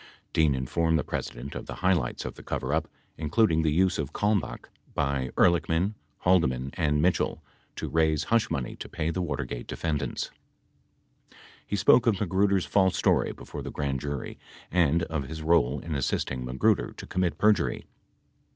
53 Dean informed the President of the highlights of the coverup, including the use of Kalmbach by Ehrlichman, Haldeman, and Mitchell to raise hush money to pay the Watergate defendants. He spoke of Magruder's false story before the grand jury and of his role in assisting Magruder to commit perjury.